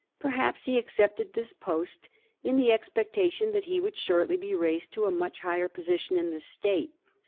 Perhaps he accepted this post in the expectation that he would shortly be raised to a much higher position in the State.